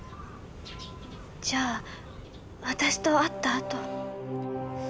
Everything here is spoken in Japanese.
じゃあ私と会ったあと。